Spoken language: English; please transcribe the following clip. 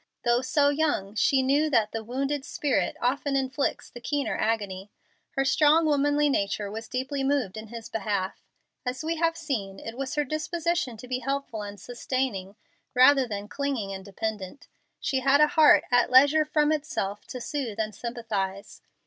Though so young, she knew that the "wounded spirit" often inflicts the keener agony. Her strong womanly nature was deeply moved in his behalf. As we have seen, it was her disposition to be helpful and sustaining, rather than clinging and dependent. She had a heart "at leisure from itself, to soothe and sympathize."